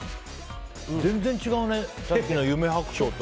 全然違うね、さっきの夢白桃と。